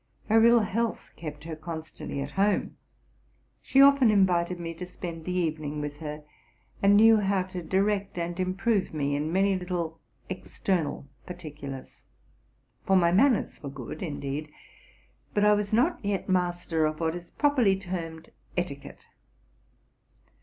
Her ill health kept her constantly at home. She often invited me to spend the evening with her, and knew how to direct and improve me in many little external particulars: for my manners were good, indeed ; but I was not yet master of what is properly termed étiquette.